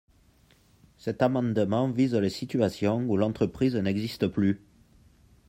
Cet amendement vise les situations où l’entreprise n’existe plus.